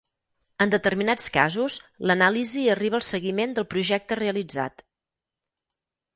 En determinats casos l'anàlisi arriba al seguiment del projecte realitzat.